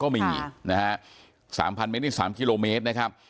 ๓๐๐๐เมตรนี่๓กิโลเมตรนะครับ